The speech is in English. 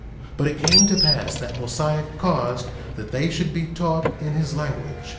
1:18 But it came to pass that Mosiah caused that they should be taught in his language.